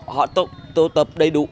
họ tổ tập đầy đủ